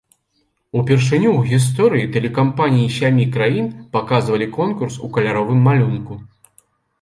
Упершыню ў гісторыі тэлекампаніі сямі краін паказвалі конкурс у каляровым малюнку.